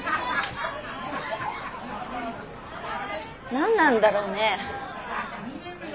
何なんだろうね。